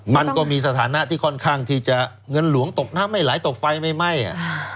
มันก็มีสถานะที่ค่อนข้างที่จะเงินหลวงตกน้ำไม่ไหลตกไฟไม่ไหม้อ่ะ